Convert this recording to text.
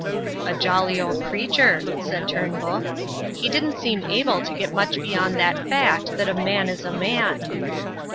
"A jolly old creature," said Turnbull; "he didn't seem able to get much beyond that fact that a man is a man."